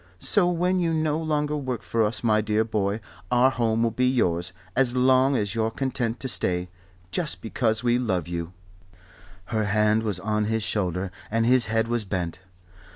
So when you no longer work for us, my dear boy, our home will be yours, as long as you're content to stay, just because we love you." Her hand was on his shoulder and his head was bent.